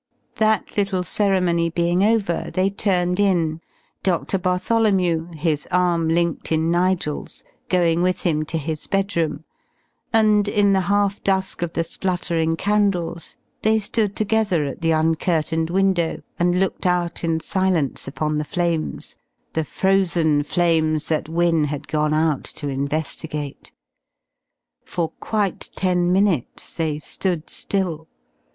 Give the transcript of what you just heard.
That little ceremony being over, they turned in, Doctor Bartholomew, his arm linked in Nigel's going with him to his bedroom, and, in the half dusk of the spluttering candles, they stood together at the uncurtained window and looked out in silence upon the flames, the Frozen Flames that Wynne had gone out to investigate. For quite ten minutes they stood still.